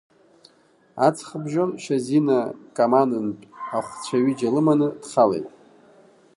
Аҵхыбжьон Шьазина Каманынтә ахәцәа ҩыџьа лыманы дхалеит.